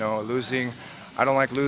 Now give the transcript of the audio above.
kalah saya tidak suka kalah